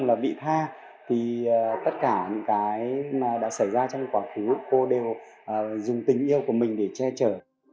là vị tha thì tất cả những cái mà đã xảy ra trong quá khứ cô đều dùng tình yêu của mình để che chở